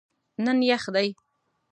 نن یخ دی